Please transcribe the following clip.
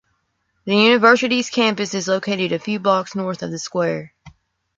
The university's campus is located a few blocks north of the square.